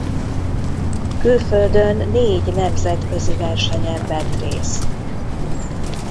Külföldön négy nemzetközi versenyen vett részt.